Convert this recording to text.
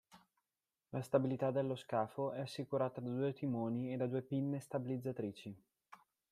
La stabilità dello scafo è assicurata da due timoni e due pinne stabilizzatrici.